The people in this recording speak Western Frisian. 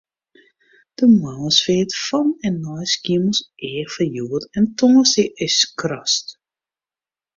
De moarnsfeart fan en nei Skiermûntseach foar hjoed en tongersdei is skrast.